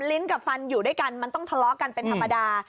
ลิ้นกับฟันอยู่ด้วยกันมันต้องทะเลาะกันเป็นธรรมดา